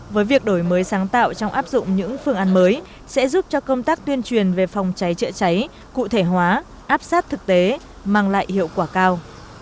với việc đổi mới sáng tạo trong áp dụng những phương án mới sẽ giúp cho công tác tuyên truyền về phòng cháy chữa cháy cụ thể hóa áp sát thực tế mang lại hiệu quả cao